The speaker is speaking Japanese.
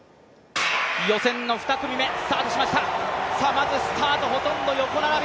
まずスタート、ほとんど横並び。